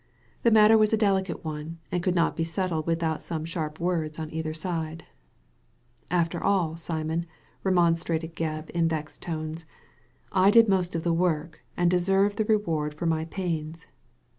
The matter was a delicate one, and could not be settled without some sharp words on either side. After all, Simon," remonstrated Gebb, in vexed tones, " I did most of the work and deserve the reward for my pains."